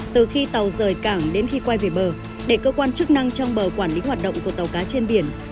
từ khi tàu rời cảng đến khi quay về bờ để cơ quan chức năng trong bờ quản lý hoạt động của tàu cá trên biển